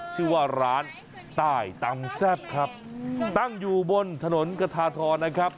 ชื่อว่าร้านใต้ตำแซ่บครับตั้งอยู่บนถนนกระทาทรนะครับ